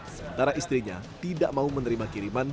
sementara istrinya tidak mau menerima kiriman